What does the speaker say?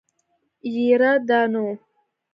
يره دا نو.